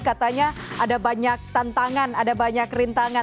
katanya ada banyak tantangan ada banyak rintangan